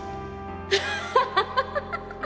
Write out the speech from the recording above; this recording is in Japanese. アハハハハ！